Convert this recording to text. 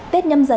tết nhâm giờ